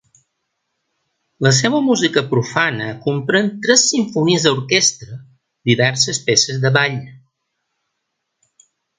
La seva música profana comprèn tres simfonies a orquestra, diverses peces de ball.